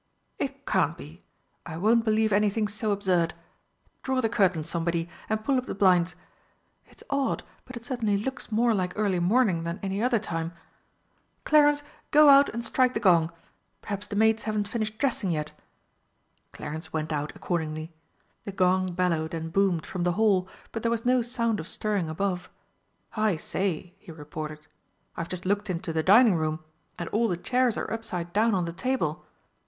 "It can't be! I won't believe anything so absurd. Draw the curtains, somebody, and pull up the blinds.... It's odd, but it certainly looks more like early morning than any other time. Clarence, go out and strike the gong. Perhaps the maids haven't finished dressing yet." Clarence went out accordingly. The gong bellowed and boomed from the hall, but there was no sound of stirring above. "I say," he reported, "I've just looked into the dining room, and all the chairs are upside down on the table.